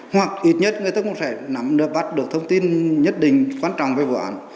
hoặc ít nhất người ta cũng sẽ nắm được bắt được thông tin nhất định quan trọng về vụ án